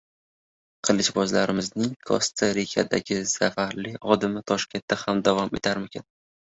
Qilichbozlarimizning Kosta-Rikadagi zafarli odimi Toshkentda davom etarmikan?